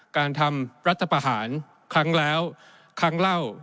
การทำรัฐประหารครั้งแล้วครั้งเล่า